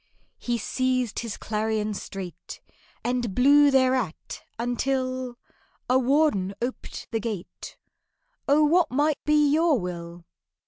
He seized his clarion straight, And blew thereat, until A warden oped the gate. "Oh, what might be your will?"